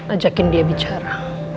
ajakin dia bicara